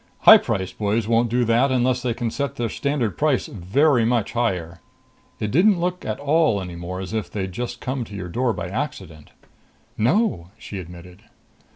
High priced boys won't do that unless they can set their standard price very much higher. It didn't look at all any more as if they'd come to your door by accident." "No," she admitted.